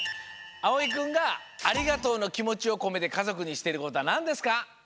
あおいくんがありがとうのきもちをこめてかぞくにしてることはなんですか？